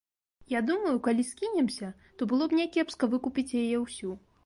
Я думаю, калі скінемся, то было б някепска выкупіць яе ўсю.